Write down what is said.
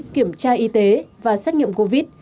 kiểm tra y tế và xét nghiệm covid